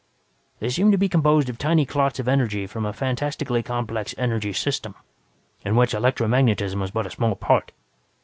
They seem to be composed of tiny clots of energy from a fantastically complex energy system, in which electromagnetism is but a small part.